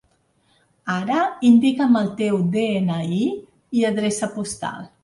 Ara indica'm el teu de-ena-i i adreça postal.